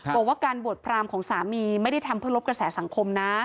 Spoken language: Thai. บอกว่าการบวชพรามของสามีไม่ได้ทำเพื่อลบกระแสสังคมนะ